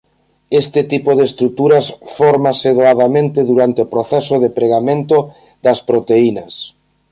Este tipo de estrutura fórmase doadamente durante o proceso de pregamento das proteínas.